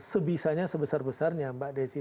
sebisanya sebesar besarnya mbak desi